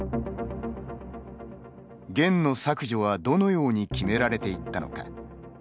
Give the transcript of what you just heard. ゲンの削除はどのように決められていったのか。